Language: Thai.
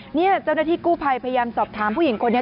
นี่เจ้าหน้าที่กู้ภัยพยายามสอบถามผู้หญิงคนนี้